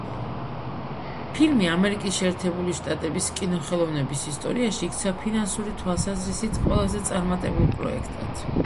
ფილმი ამერიკის შეერთებული შტატების კინოხელოვნების ისტორიაში იქცა ფინანსური თვალსაზრისით ყველაზე წარმატებულ პროექტად.